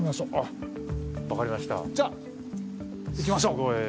じゃ行きましょう。